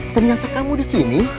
ternyata kamu disini